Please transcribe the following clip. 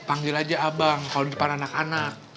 panggil aja abang kalau di depan anak anak